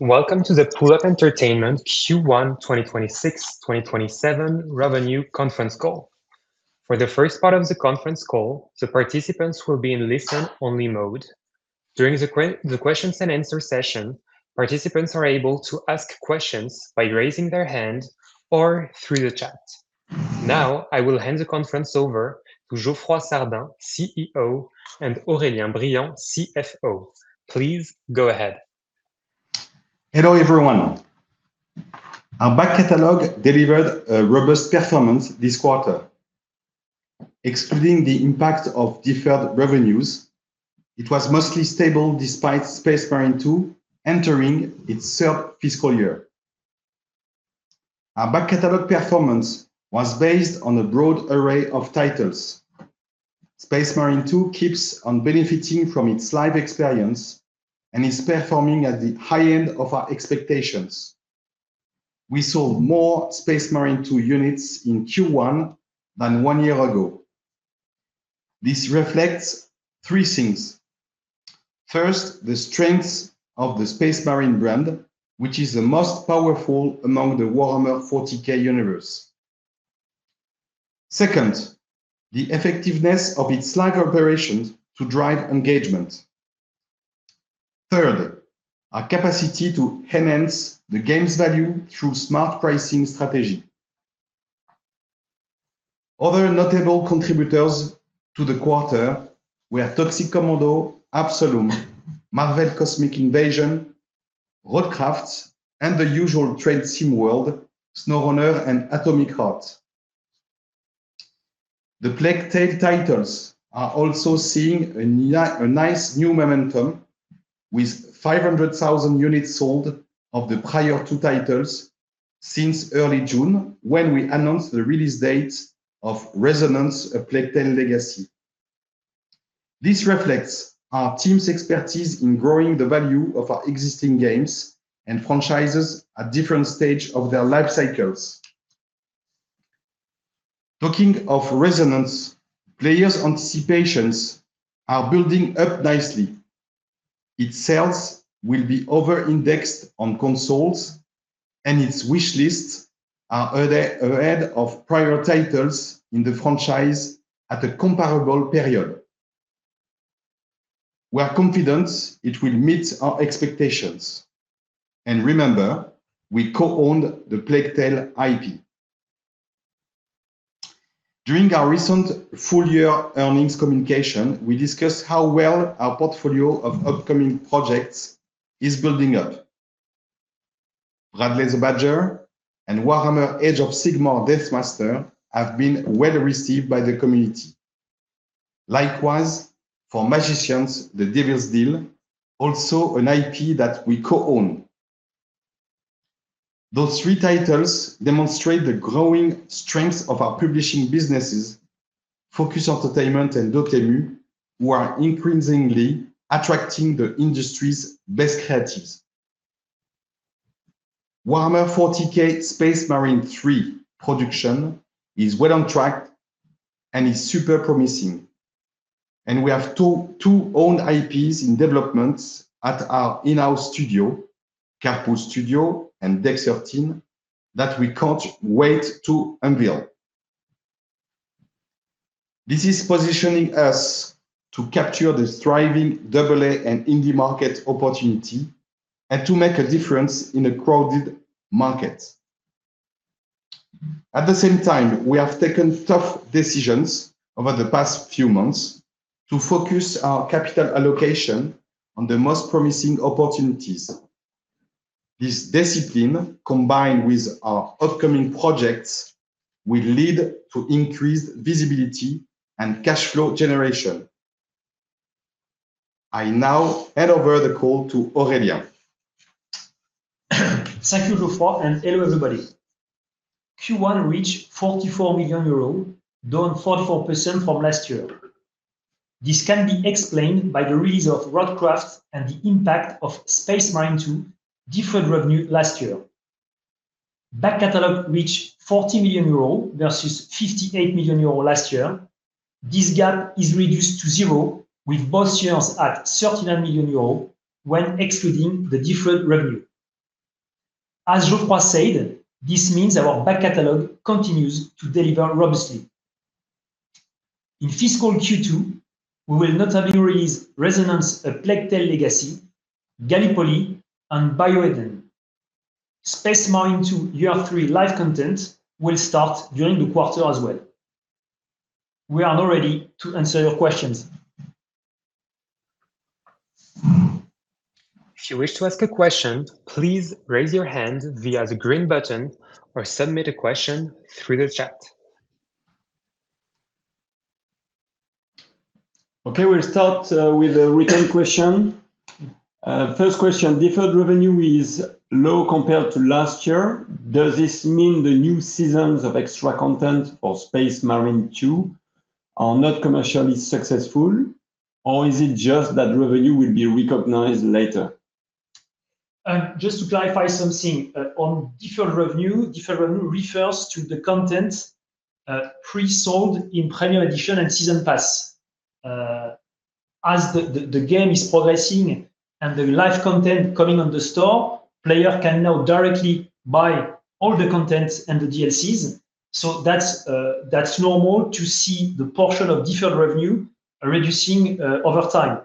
Welcome to the PulluP Entertainment Q1 2026/2027 revenue conference call. For the first part of the conference call, the participants will be in listen-only mode. During the question and answer session, participants are able to ask questions by raising their hand or through the chat. Now I will hand the conference over to Geoffroy Sardin, CEO, and Aurélien Briand, CFO. Please go ahead. Hello, everyone. Our back catalog delivered a robust performance this quarter. Excluding the impact of deferred revenues, it was mostly stable despite Space Marine 2 entering its third fiscal year. Our back catalog performance was based on a broad array of titles. Space Marine 2 keeps on benefiting from its live experience and is performing at the high end of our expectations. We sold more Space Marine 2 units in Q1 than one year ago. This reflects three things. First, the strength of the Space Marine brand, which is the most powerful among the Warhammer 40K universe. Second, the effectiveness of its live operations to drive engagement. Third, our capacity to enhance the game's value through smart pricing strategy. Other notable contributors to the quarter were Toxic Commando, Absolum, Marvel Cosmic Invasion, RoadCraft, and the usual Train Sim World, SnowRunner, and Atomic Heart. The Plague Tale titles are also seeing a nice new momentum, with 500,000 units sold of the prior two titles since early June, when we announced the release date of Resonance: A Plague Tale Legacy. This reflects our team's expertise in growing the value of our existing games and franchises at different stage of their life cycles. Talking of Resonance, players' anticipations are building up nicely. Its sales will be over-indexed on consoles, and its wishlists are ahead of prior titles in the franchise at a comparable period. We are confident it will meet our expectations. Remember, we co-own the Plague Tale IP. During our recent full-year earnings communication, we discussed how well our portfolio of upcoming projects is building up. Bradley the Badger and Warhammer Age of Sigmar: Deathmaster have been well-received by the community. Likewise, for Magicians: The Devil's Deal, also an IP that we co-own. Those three titles demonstrate the growing strength of our publishing businesses, Focus Entertainment and Dotemu, who are increasingly attracting the industry's best creatives. Warhammer 40,000: Space Marine 3 production is well on track and is super promising. We have two own IPs in development at our in-house studio, Carpool Studio and Deck13, that we can't wait to unveil. This is positioning us to capture the thriving double-A and indie market opportunity and to make a difference in a crowded market. At the same time, we have taken tough decisions over the past few months to focus our capital allocation on the most promising opportunities. This discipline, combined with our upcoming projects, will lead to increased visibility and cash flow generation. I now hand over the call to Aurélien. Thank you, Geoffroy, and hello, everybody. Q1 reached 44 million euros, down 44% from last year. This can be explained by the release of RoadCraft and the impact of Space Marine 2 deferred revenue last year. Back catalog reached 40 million euro versus 58 million euro last year. This gap is reduced to zero, with both sales at 39 million euro when excluding the deferred revenue. As Geoffroy said, this means our back catalog continues to deliver robustly. In fiscal Q2, we will notably release Resonance: A Plague Tale Legacy, Gallipoli, and BioEden. Space Marine 2 Year 3 live content will start during the quarter as well. We are now ready to answer your questions. If you wish to ask a question, please raise your hand via the green button or submit a question through the chat. Okay. We'll start with a written question. First question, deferred revenue is low compared to last year. Does this mean the new seasons of extra content for Space Marine 2 are not commercially successful, or is it just that revenue will be recognized later? Just to clarify something. On deferred revenue, deferred revenue refers to the content pre-sold in premium edition and season pass. As the game is progressing and the live content coming on the store, player can now directly buy all the content and the DLCs. That's normal to see the portion of deferred revenue reducing over time.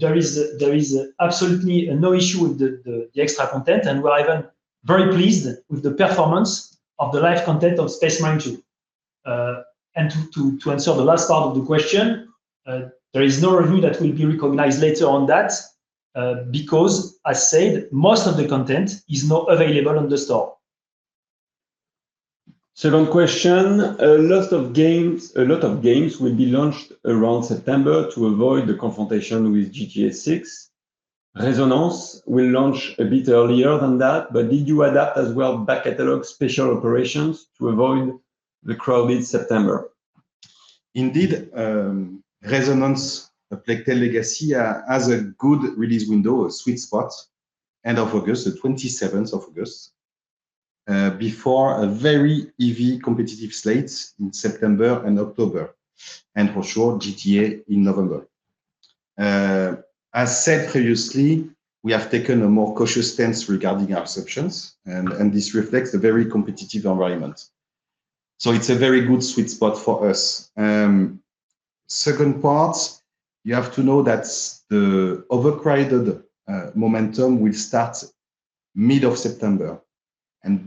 There is absolutely no issue with the extra content, and we're even very pleased with the performance of the live content of Space Marine 2. To answer the last part of the question, there is no revenue that will be recognized later on that because I said most of the content is not available on the store. Second question, a lot of games will be launched around September to avoid the confrontation with GTA VI. Resonance will launch a bit earlier than that, did you adapt as well back catalog special operations to avoid the crowded September? Indeed, Resonance, A Plague Tale legacy, has a good release window, a sweet spot, end of August, the 27th of August, before a very heavy competitive slate in September and October, and for sure, GTA in November. As said previously, we have taken a more cautious stance regarding our exceptions, this reflects the very competitive environment. It's a very good sweet spot for us. Second part, you have to know that the overcrowded momentum will start mid of September,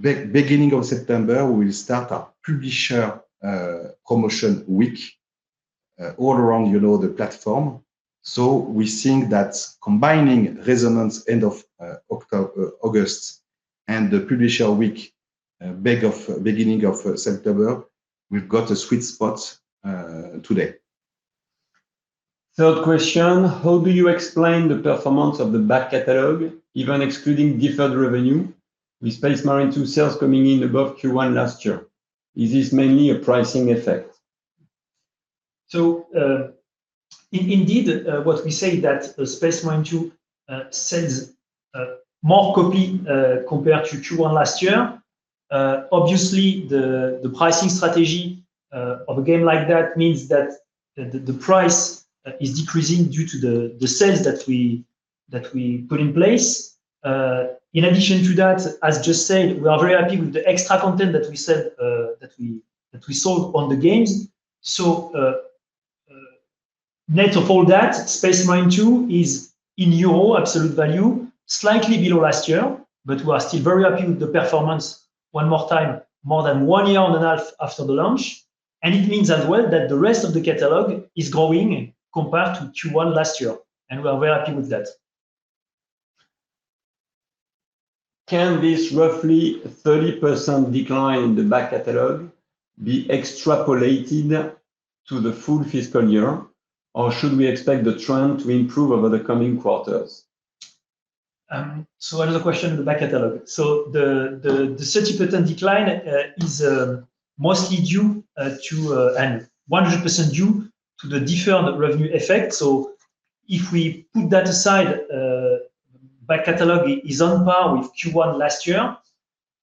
beginning of September, we'll start a publisher promotion week all around the platform. We're seeing that combining Resonance end of August and the publisher week beginning of September, we've got a sweet spot today. Third question, how do you explain the performance of the back catalog, even excluding deferred revenue, with Space Marine 2 sales coming in above Q1 last year? Is this mainly a pricing effect? Indeed, what we say that Space Marine 2 sells more copy compared to Q1 last year. Obviously, the pricing strategy of a game like that means that the price is decreasing due to the sales that we put in place. In addition to that, as just said, we are very happy with the extra content that we sold on the games. Net of all that, Space Marine 2 is in EUR absolute value, slightly below last year, but we are still very happy with the performance, one more time, more than one year and a half after the launch. It means as well that the rest of the catalog is growing compared to Q1 last year, and we are very happy with that. Can this roughly 30% decline in the back catalog be extrapolated to the full fiscal year, or should we expect the trend to improve over the coming quarters? Another question on the back catalog. The 30% decline is 100% due to the deferred revenue effect. If we put that aside, back catalog is on par with Q1 last year.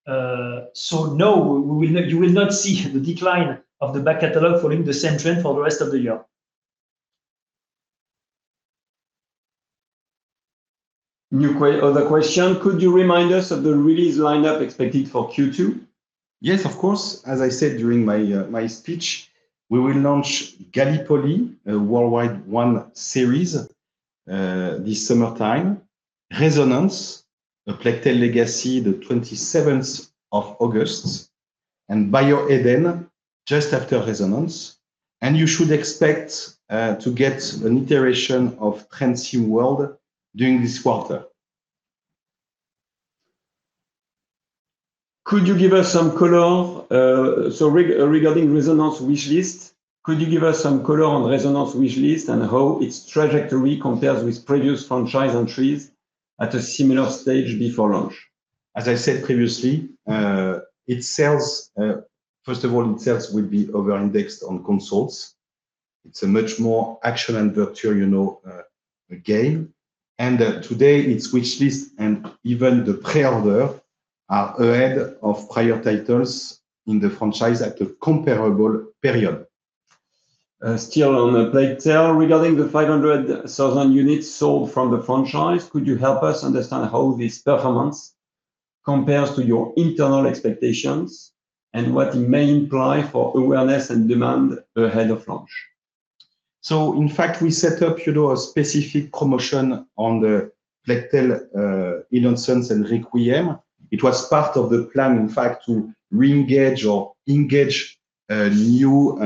No, you will not see the decline of the back catalog following the same trend for the rest of the year. Other question. Could you remind us of the release lineup expected for Q2? Yes, of course. As I said during my speech, we will launch Gallipoli, a World War One series, this summertime. Resonance: A Plague Tale Legacy, the 27th of August, and BioEden just after Resonance. You should expect to get an iteration of Train Sim World during this quarter. Could you give us some color on Resonance wish list and how its trajectory compares with previous franchise entries at a similar stage before launch? As I said previously, first of all, its sales will be over-indexed on consoles. It's a much more action-adventure game. Today, its wish list and even the pre-order are ahead of prior titles in the franchise at a comparable period. Still on the Plague Tale, regarding the 500,000 units sold from the franchise, could you help us understand how this performance compares to your internal expectations and what it may imply for awareness and demand ahead of launch? In fact, we set up a specific commotion on A Plague Tale: Innocence and Requiem. It was part of the plan, in fact, to re-engage or engage new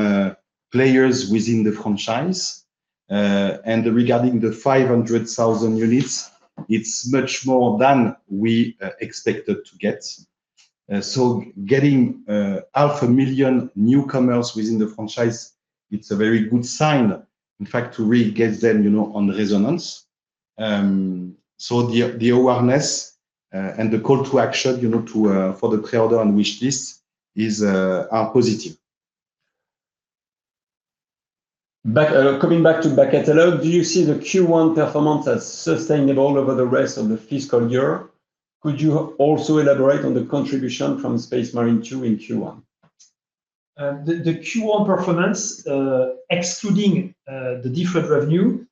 players within the franchise. Regarding the 500,000 units, it's much more than we expected to get. Getting half a million newcomers within the franchise, it's a very good sign, in fact, to re-engage them on Resonance. The awareness and the call to action for the pre-order and wish list are positive. Coming back to back catalog, do you see the Q1 performance as sustainable over the rest of the fiscal year? Could you also elaborate on the contribution from Space Marine 2 in Q1? The Q1 performance, excluding the deferred revenue,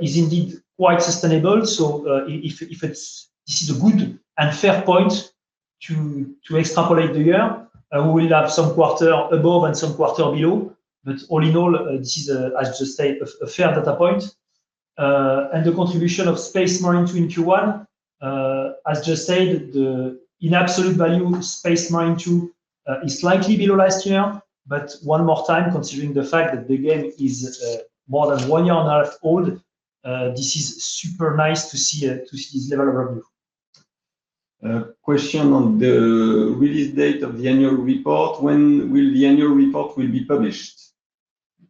is indeed quite sustainable. If this is a good and fair point to extrapolate the year, we will have some quarter above and some quarter below. All in all, this is, as I just said, a fair data point. The contribution of Space Marine 2 in Q1, as just said, in absolute value, Space Marine 2 is slightly below last year. One more time, considering the fact that the game is more than one year and a half old, this is super nice to see this level of revenue. A question on the release date of the annual report. When will the annual report be published?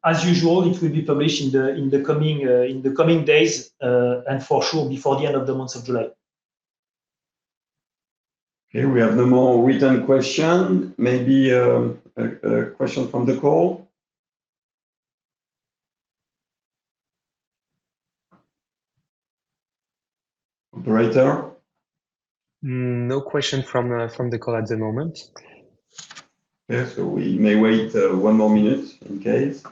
As usual, it will be published in the coming days, for sure before the end of the month of July. Okay, we have no more written question. Maybe a question from the call. Operator? No question from the call at the moment. Okay, we may wait one more minute in case.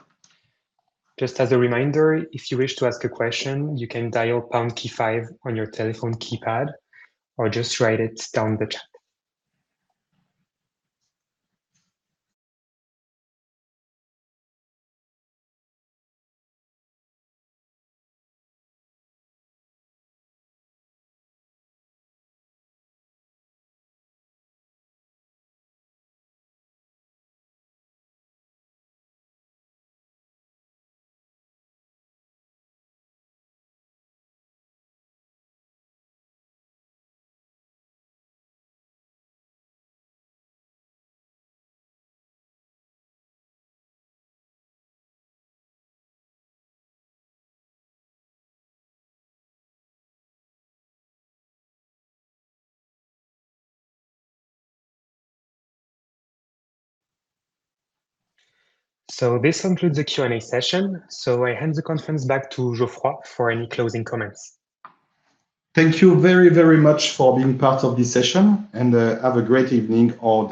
Just as a reminder, if you wish to ask a question, you can dial pound key five on your telephone keypad or just write it down the chat. This concludes the Q&A session. I hand the conference back to Geoffroy for any closing comments. Thank you very much for being part of this session and have a great evening or.